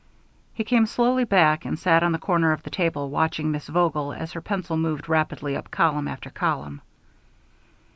He came slowly back and sat on the corner of the table, watching Miss Vogel as her pencil moved rapidly up column after column.